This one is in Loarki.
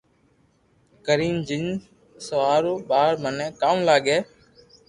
ڪرين جن سوڙاو يار مني ڪاو لاگي